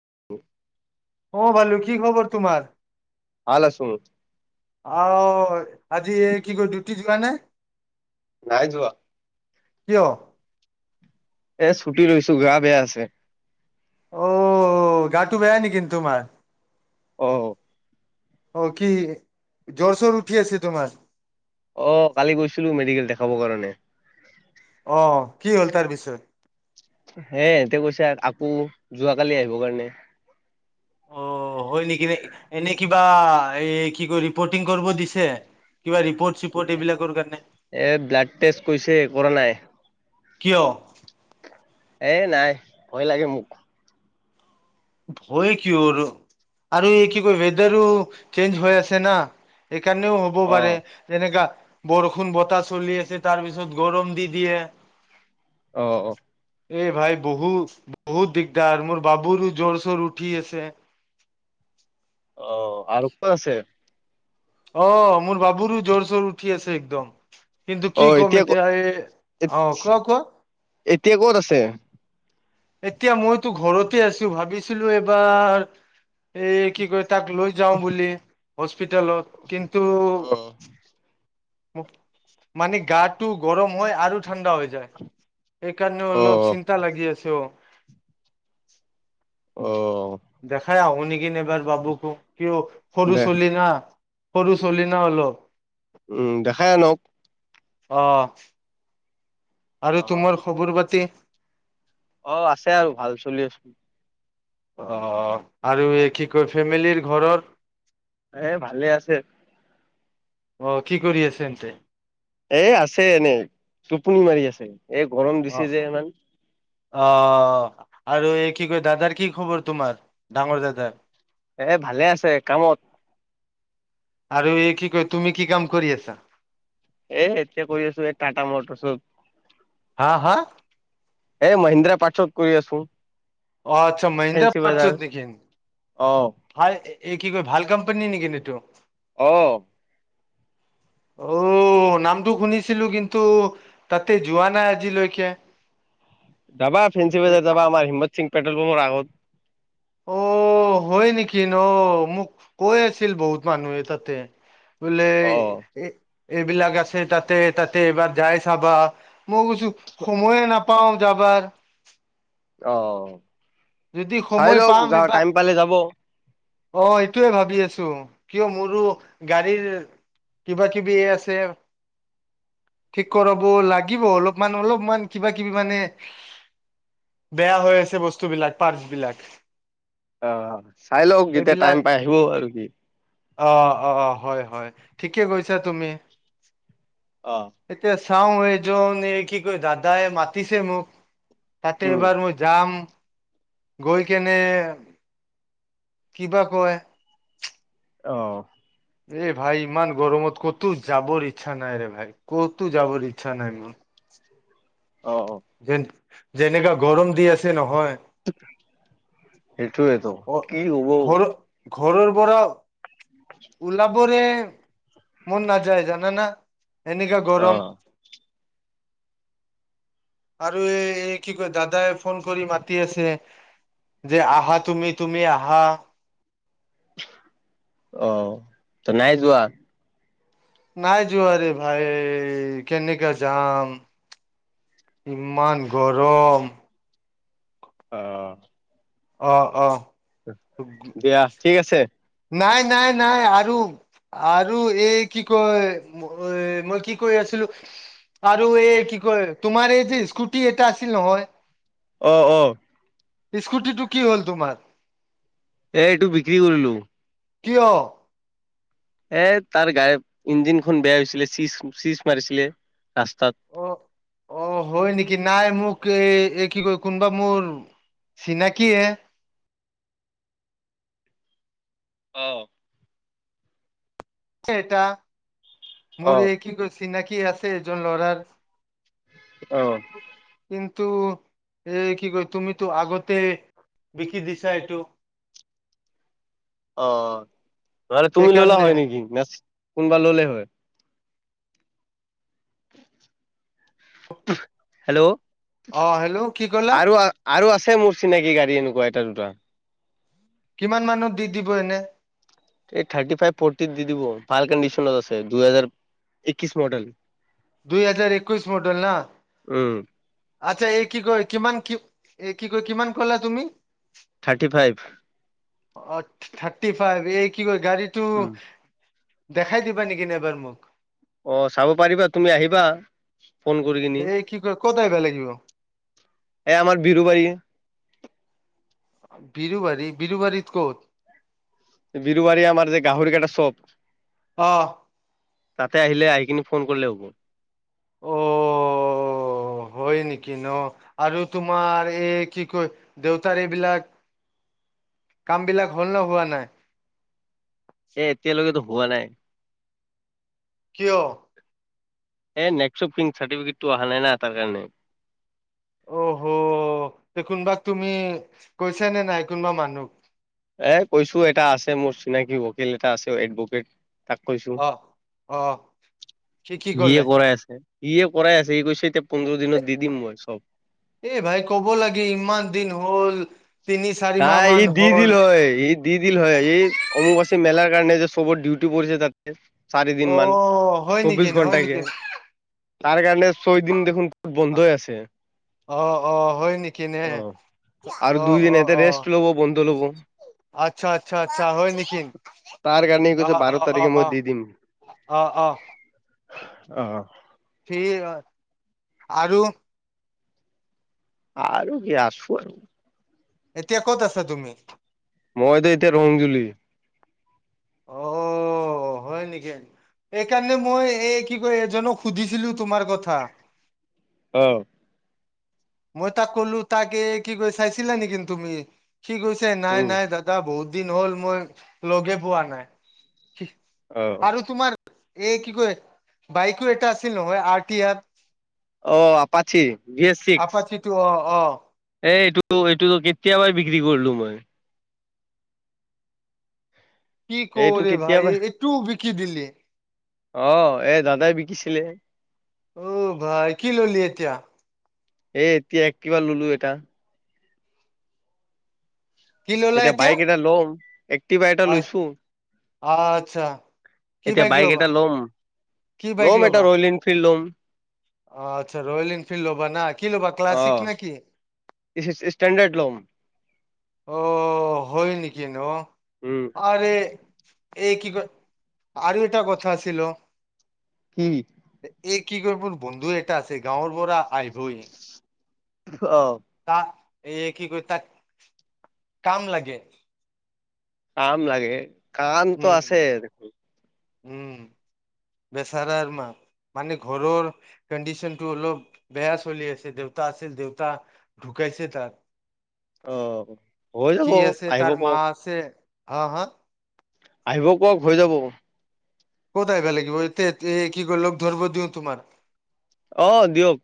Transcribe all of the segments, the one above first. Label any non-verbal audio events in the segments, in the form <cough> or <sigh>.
<unintelligible> অ ভালু কি খবৰ তোমাৰ? ভাল আছো অ আজি কি কয় ডিউটি যোৱা নাই? নাই যোৱা। এ ছুটি লৈছো গা বেয়া আছে অ গাটো বেয়া নেকি তোমাৰ? অহ। অ কি জৰ চৰ উঠি আছে তোমাৰ? অ কালি গৈছিলো মেডিকেল দেখাবৰ কাৰণে। অ কি হ'ল তাৰপিছত? সেই এতে কৈছে আকৌ যোৱাকালি আহিব কাৰণে। বা এই কি ক ৰিপৰ্টিং কৰিব দিছে? কিবা ৰিপৰ্ট চিপৰ্ট এইবিলাকৰ কাৰণে এ ব্লাড টেষ্ট কৈছে কৰা নাই কিয়? এ নাই ভয় লাগে মোক হয় কি হ'ব ৰু, আৰু এই কি কৰিবা ইদাৰো চেঞ্জ হৈ আছে না। সেইকাৰণেও হ'ব অ পাৰে যেনেকা বৰষুণ বতাহ চলি আছে তাৰ পিছত গৰম দি দিয়ে। অঁ অঁ এই ভাই বহুত বহুত দিগদাৰ মোৰ বাবুৰো জোৰ চৰ উঠি আছে অঁ আৰু ক'ত আছে? অ' মোৰ বাবুৰো জ্বৰ চৰ উঠি আছে একদম। কিন্তু অ কি কম ক এতিয়া এই অ' কোৱা কোৱা। এতিয়া ক'ত আছে? এতিয়া মইতো ঘৰতে আছো ভাবিছিলো এবাৰ এই কি কয় তাক লৈ যাওঁ বুলি হচ হচপিতেলত কিন্তু অ মানে গাৰটো গৰম হয় আৰু ঠাণ্ডা হৈ যায় এইকাৰণেও অ অলপ চিন্তা লাগি আছেও অ দেখাই আহো নিকিনে এবাৰ বাবুকো সিয় সৰু দে চলি না সৰু চলি না হলো। উম দেখাই আনক। অহ আৰু অ তোমাৰ খবৰ পাতি? অ আছে আৰু ভাল চলি আছে অ' আৰু কি কয় ফেমিলিৰ ঘৰত? এ ভালে আছে। অঁ, কি কৰি আছে এনতে? এই আছে এনেই, টোপনি মাৰি আছে এ গৰম অ দিছে যে ইমান। অ' আৰু এই কি কয় দাদাৰ কি খবৰ তোমাৰ, ডাঙৰ দাদাৰ? এ ভালে আছে, কামত। আৰু এই কি কয়, তুমি কি কাম কৰি আছা? এ, এতিয়া কৰি আছো এ, টাটা মটৰ্ছৰ। হা হা? এ মহিন্দ্ৰা পাৰ্টচত কৰি আছো। অ' আচ্ছা। মহিন্দ্ৰা ফেঞ্চি বজাৰ পাৰচত নেকি? অ হয়। এ, কি কয় ভাল কোম্পানী নেকি এইটো? অ'। অ'। নামটো শুনিছিলো কিন্তু তাতে যোৱা নাই আজিলৈকে। যাবা ফেন্ঞ্চি বজাত যাবা আমাৰ হিম্মত চিং পেট্ৰল পাম্পৰ আগত। অ' অ' হয় নেকি ন মোক কৈ আছিল বহুত মানুহে তাতে। অ <unintelligible> এইবিলাক আছে তাতে তাতে এবাৰ যাই চাবা, মই কৈছো সময়ে নাপাও যাওঁ। খবাৰ। অ' চাই সময় লওক, পাম যা এইবাৰ টাইম পালে যাব। অ' সেইটোয়ে ভাবি আছো কিয় মোৰো গাড়ীৰ কিবা কিবি আছে। ঠিক কৰাব লাগিব, অলপমান অলপমান কিবা-কিবি মানে বেয়া হৈ আছে বস্তুবিলাক, পাৰ্চবিলাক। অ, অ, চাই লওক যেতিয়া টাইম পাই আহিব আৰু কি। অ' অ' হয় হয়, ঠিকে কৈছা তুমি। অ <unintelligible> চাওঁ এজন এই কি কয় দাদাই মাতিছে মোক, তাতে উম এবাৰ মই যাম। গৈ কেনে, কিবা কয়। অ'। এ ভাই ইমান গৰমত ক'তো যাবৰ ইচ্ছা নাই ৰে ভাই ক'তো যাবৰ ইচ্ছা নাই মোৰ। অ অ যেন যেনেকা গৰম দি আছে নহয়। হেইটোৱেটো, অ কি হব? ঘৰ ঘৰৰ পৰা ওলাবৰে মন নাযায়। জানানা? এনেকা অ গৰম। আৰু এই এই কি কয় দাদাই ফোন কৰি মাতি আছে। যে আহা তুমি, তুমি আহা। অ' তই নাই যোৱা? নাই যোৱাৰে ভাই কেনেকা যাম? ইমান গৰম। অ'। অ', অ'। দিয়া ঠিক আছে। নাই নাই নাই আৰু। আৰু এই কি কয় মই কি কৈ আছিলো আৰু এই কি কয় তোমাৰ এই যে স্কুটি এটা আছিল নহয়? অ' অ স্কুটিটো কিহ'ল তোমাৰ? এইটো বিক্ৰী কৰিলো। কিয়? এ তাৰ গাইপ ইঞ্জিনখন বেয়া হৈছিলে, চিচ চিচ মাৰিছিলে ৰাস্তাত। অ অ' হয় নেকি নাই মোক এ এই কি কয় কোনোবা মোৰ চিনাকি হে। অহ ', এটা মোৰ অ', এই কি কৰিছ নাকি আছে এজন ল'ৰাৰ অহ ', কিন্তু এ কি কয় তুমিতো আগতে বিকি দিশা এইটোটো অ নহলে তুমি ল'লা হয় নেকি কোনোবা ল'লেই হয় হেল্ল' অ হেল্ল' কি ক'লা আৰু আৰু আছে ছে মোৰ চিনাকি গাড়ী এনেকুৱা এটা দুটা কিমান মানুহ দি দিব এনে এই থাৰ্টি ফাইভ ফটি দি দিব ভাল কণ্ডিচনত আছে দুইহেজাৰ একিশ মডেল দুই হাজাৰ একৈশ মডল না উম, আচ্ছা এই কি কয় কিমান কি এই কি কয় কিমান কলা তুমি থাৰ্টি ফাইভ অ থাৰ্টি ফাইভ এই কি ক গাড়ীটো দেখাই দিবা নেকি এবাৰ মোক অ চাব পাৰিবা তুমি আহিবা ফোন কৰি কিনি এই কি কয় ক'ত আহিব লাগিব এ আমাৰ বিৰব়ী ভিৰুবী বিিৰুবাৰ ইতকৈত বিৰবাৰী আাৰ যে গাহৰি কেইটা চপ অহ ', তাতে আহিলে আহি কিিনি ফোন কৰিলে হ'ব অ', হয় নেকি ন আৰু তোমাৰ এই কি কয় দেউতাৰ এইবিলাক কামবিলাক হ'ল ন হোৱা নাই। এ এতিয়ালৈকেতো হোৱা নাই কিয় এ নেক্ষপিং চাৰ্টিফিকেটটো অহা নাই - নাই তাৰ কাৰণে। অহ তে কোনবা তুমি কৈছা নে নাই কোনবা মানুহ এ কৈছো এটা আছে মোৰ চিনাকিকিল এটা আছে এডভকেট তাক কৈছো অহ অহ কি কি যিয়ে কলে কৰাই আছে ই কৰাই আছে এই কৈছে তে পোন্ধৰ দিনত দি দিম মই চব এই ভাই কব লাগে ইমান দিন হ'ল তিনি চাৰি মাহ নাই মান ই দি হ'ল দিল হয় ই দি দিল হয় ই অমুব মেলাৰ কাৰণে যে চবৰ ডিউি পছে তাতে চাৰি দিন অ মমান হয় চৌবিশ নেকি ঘণ্টা হয় কে নেকি তাৰ কাৰণে ছয়দিন দেখোন বন্ধই আছে অ অ হয় নেকি নে অ, আৰু অ দুই দিন অ অ ৰেষ্ট ল'ব বন্ধ ল'ব আচ্ছা আচ্ছা আচ্ছা হয় নেকি তাৰ কাৰণে কৈছে আহ বাৰ অ অ তাৰিখে মই অ দি দিম। আহ আহ অ'। ঠিক আ আৰু আৰু কি আছো আৰু এতিয়া ক'ত আছা তুমি মইতো এতিয়া ৰংজুলি অ অ হয় নেকি সেইকাৰণে মই এই কি কয় এজনক সুধিছিলো তোমাৰ কথা আহ মই তাক কলো তাকে কি কৰি চাইছিলা নেকন্তু তুমি কি কৈছে নাই উম নাই দাদা বহুত দিন হ'ল মই লগে পোৱা নাই আহ আৰু তোমাৰ এই কি ক বাইকো এটা আছিল ন আৰ ট আৰ অ আপাচি গিছ। আপাচিটো অ অ। ত এইটোতো কেতিয়াবাই বিক্ৰী কৰলো মই। কি কওঁ এইটো ৰে ভাই কেতিয়াবা এইটোও বিকি দিলি। অ এ দাদাই বিকিছিলে। অ ভাই কি ল'লি এতিয়া? এ এতিয়া কিবা ললো এটা। কি ললা এতিয়া বাইক এটা লম একটিভা এটা লৈছো। আচ্ছা কি এতিয়া বাইক ল'বা? এটা লম। ল'ম এটা ৰয়েল এনফিল্ড ল'ম। অ আচ্ছা ৰয়েল এনফিল্ড ল'বা না কি ল'বা, অ ক্লাছিক নেকি? ষ্টেণ্ডাৰ্ড ল'ম অ' হয় নেকি ন, উম আৰে এই কি ক আৰু এটা কথা আছিল। কি? এই কি কৈ মোৰ বন্ধু এটা আছে গাঁৱৰ পৰা আহিব ই অ' এই কি কয় তাক কাম লাগে কাম লাগে, কামটো উম আছে দেখোন। উম, বেচেৰাৰ মা মানে ঘৰৰ কণ্ডিচন টো অলপ বেয়া চলি আছে, দেউতা আছে দেউতা ঢুক ঢুকাইছে তাৰ, অ হৈ যাব সি আছে আহিব তাৰ মা কওক আছে অ', হ' আহিব কোৱক হৈ যাব। ক'ত আহিব লাগিব? এ-এতে কি কৰিলগ ধৰিব দিওঁ তোমাৰ। অ' দিয়ক।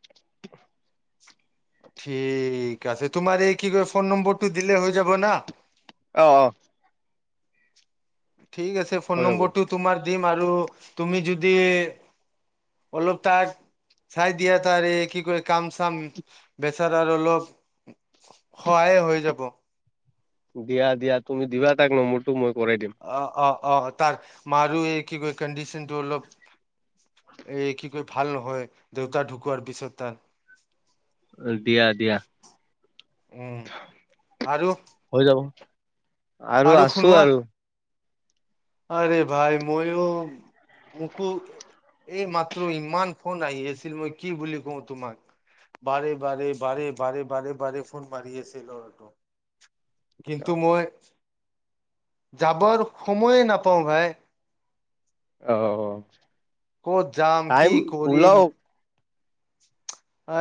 ঠিক আছে তোমাৰ এই কি ক ফোন নম্বৰটো দিলে হৈ যাব না? অ', অ'। ঠিক আছে ফোন হৈ যাব নম্বৰটো তোমাৰ দিম, আৰু তুমি যদি অলপ তাক চাই দিয়া তাৰে, এই কি কৰে কাম চাম, বেচেৰাৰ অলপ সহায় হৈ যাব। দিয়া দিয়া তুমি দিবা তাক নম্বৰটো মই কৰাই দিম। অ অ অ তাৰ মাৰ এই কি ক কণ্ডিশনটো অলপ এই কি ক ভাল নহয় দেউতা ঢুকোৱাৰ পিছত তাৰ অ দিয়া দিয়া উম আৰু হৈ যাব। আৰু আছো আৰু আৰে ভাই ময়ো মোকো এই মাত্ৰ ইমান ফোন আহি আছিল মই কি বুলি কওঁ তোমাক বাৰে বাৰে বাৰে বাৰে বাৰে বাৰে ফোন মাৰিছিল অটো কিন্তু মই যাবৰ সময়ে নাপাওঁ ভাই অহ ক'ত যাম কি কৰিম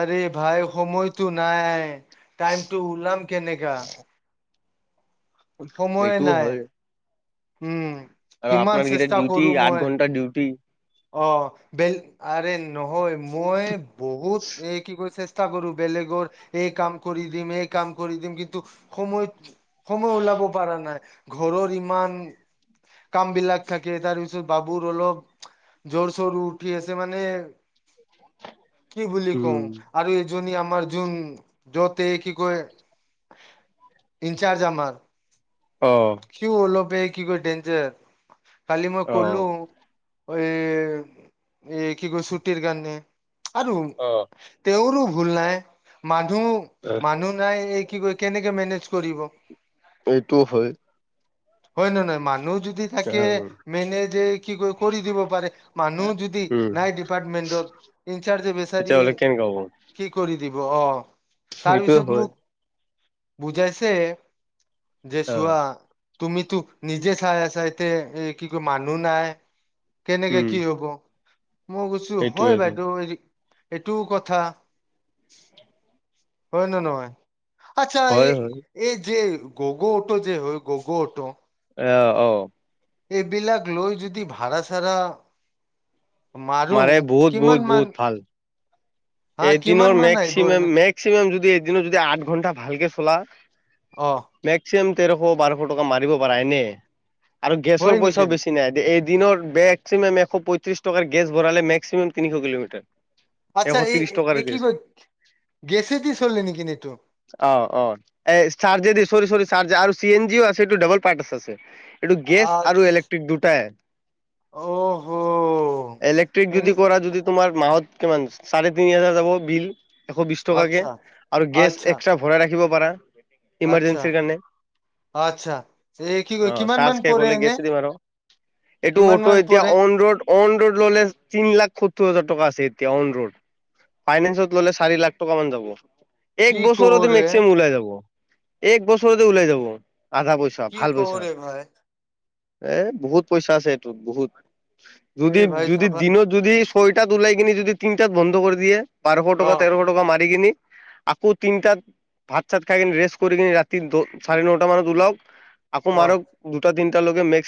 আৰে ভাই সময়টো নাই আ টাইমটো ওলাম কেনেকা সময়ে এইটো নাই হয় উম আৰু কিমান আপোনাৰ কেইটা চেষ্টা ডিউটি কৰো আঠ মই ঘন্টা ডিউটি। অ ব আৰে নহয় মই বহুত এ কি কৈছে চেষ্টা কৰো বেলেগৰ এই কাম কৰি দিম এই কাম কৰি দিম কিন্তু সময়ত সময় ওলাব পৰা নাই ঘৰৰ ইমান কাম বিলাক থাকে তাৰ পিছত বাবুৰ অলপ জ্বৰ চৰ উঠি আছে মানে কি বুলি কওঁ উম। আৰু এই জনী আমাৰ যোন যতে কি কয় ইনচাৰ্জ আমাৰ অ সিও অলপে কি কয় ডেঞ্জাৰ কালি মই অ কলোঁ এই এই কি কৈছো চুটীৰ কাৰণে আৰু অ তেওৰো ভুল নাই মানুহ মানুহ নাই এই কি কয় কেনেকে মেনেজ কৰিব এইটো হয় হয় না নাই মানুহ যদি থাকে মেনেযে কি কয় কৰি দিব পাৰে মানুহ যদি উম নাই ডিপাৰ্টমেন্টত ইনচাৰ্জ ভেচা দিয়ে তেতিয়াহ'লে কেনেকা হ'ব কি কৰিম দিব অ সেইটোয়ে তাৰপিছত হয় মোক বুজাইছে যে অ চোৱা তুমিতো নিজে চাই আছা এতি কি ক মানুহ নাই কেনেকে উম কি হব মই কৈছো হয় বাইদেউ এই এইটোও কথা হয় নে নহয় আচ্ছা এই হয় হয় এই যে গগ' অট' যে হয় ঘগ' অট' এয়া অ এইবিলাক লৈ যদি ভাড়া চাড়া মাৰো মাৰে বহুত বহুত কিমান বহুত মান ভাল। হা কিমান এদিনৰ মান আহিব মেক্সিমাম এনে মেক্সিমাম যদি এদিন যদি আঠ ঘন্টা ভালকে চলা। অ মেক্সিমাম তেৰশ বাৰশ টকা মাৰিব পাৰা এনেই। আৰু হয় গেছৰ নেকি পইচাও বেছি নাই দে এই দিনৰ মেক্সিমাম এশ পঁয়ত্ৰিছ টকাৰ গেছ ভৰালে মেক্সিমাম তিনিশ কিলোমিটাৰ। এশ আচ্ছা এই ত্ৰিশ টকাৰ এই কি গেছ ক গেছে কি চলে নে কি এইটো অ অ এ চাৰজে দি sorry sorry charge C N G অ আছে। টো ডাবল পাৰ্টছ আছে এইটো গেছ আচ্ছ আৰু ইলেক্ট্ৰিক দুটাই। অহ ইলেক্ট্ৰিক যদি এনে কৰা যদি তোমাৰ মাহত কিমান? চাৰে তিনি হাজাৰ যাব বিল এশ বিশ টকাকে আচ্ছা আৰু গেছ আচ্ছা এক্সট্ৰা ভৰাই ৰাখিব পাৰা। আচ্ছা ইমাৰজেঞ্চিৰ কাৰনে আচ্ছা এই কি কয় অ কিমান মান চাৰ্জ শেষ পৰে হলে এনে গেছ দিম আৰ এইটো কিমান অটো মান এতিয়া পৰে অন ৰোড অন ৰোড ললে তিনি লাখ সত্তৰ হাজাৰ টকা আছে এতিয়া অন ৰোড ফাইনেন্সত ললে চাৰি লাখ টকা মান যাব। কি এক কওঁ বছৰতে ৰে, মেক্সিমাম ওলাই যাব এক বছৰতে ওলাই যাব। আধা পইছা কি ভাল কওঁ পইছা। ৰে ভাই, এ বহুত পইচা আছে এইটো বহুত যদি এই ভাই যদি চাবা, দিনত যদি। ছয়টাত ওলাই কিনি যদি তিনিটাত বন্ধ কৰি দিয়ে বাৰশ টকা অ', তেৰশ টকা মাৰি কিনি আকৌ তিনিটাত। ভাত চাত খাই কিনি ৰেষ্ট কৰি কিনি ৰাতি চাৰে নটা মানত ওলাওক। আকৌ অ'। মাৰক দুটা তিনটা লকে মেক্স।